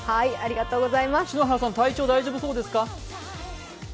篠原さん、体調大丈夫そうですか？